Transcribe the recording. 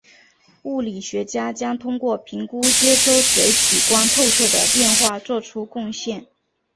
物理学家将通过评估接收水体光透射的变化做出贡献。